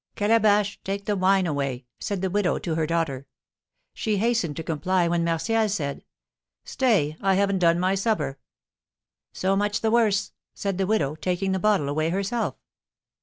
"Calabash, take the wine away," said the widow to her daughter. She hastened to comply, when Martial said, "Stay, I haven't done my supper." "So much the worse," said the widow, taking the bottle away herself.